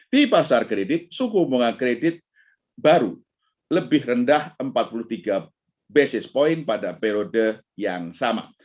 di pasar kredit suku bunga kredit baru lebih rendah empat puluh tiga basis point pada periode yang sama